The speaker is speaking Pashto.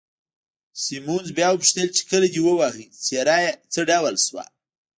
سیمونز بیا وپوښتل چې، کله دې وواهه، څېره یې څه ډول شوه؟